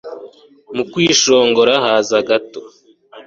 mu kwishongora haza gato